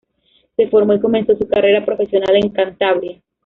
Se formó y comenzó su carrera profesional en Cantabria.